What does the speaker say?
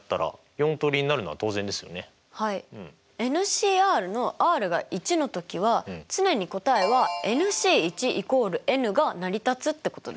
Ｃのｒが１の時は常に答えはＣ＝ｎが成り立つってことです。